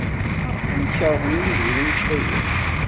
Maɣef ay keṛhen Yidir anect-a akk?